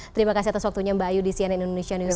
terima kasih atas waktunya mbak ayu di cnn news